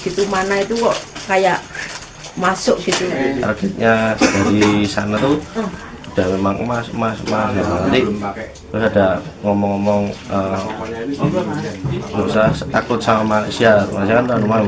gitu mana itu kok kayak masuk gitu ya dari sana tuh udah memang emas emas emas